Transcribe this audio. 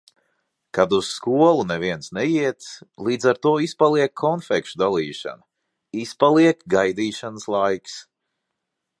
Kad uz skolu neviens neiet, līdz ar to izpaliek konfekšu dalīšana, izpaliek gaidīšanas laiks.